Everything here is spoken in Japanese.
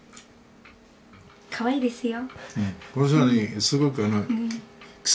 かわいいですよ。